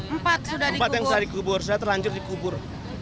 empat sudah dikubur